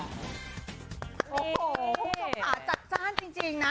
โอ้โหพวกค่ะจัดจ้านจริงนะ